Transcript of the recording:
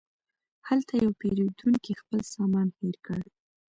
هلته یو پیرودونکی خپل سامان هېر کړ.